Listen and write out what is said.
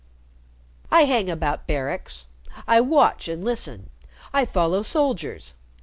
"I hang about barracks. I watch and listen. I follow soldiers.